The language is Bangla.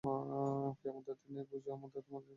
কিয়ামতের দিন এই বোঝ তাদের জন্যে কতই না মন্দ!